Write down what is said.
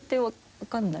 わかんない。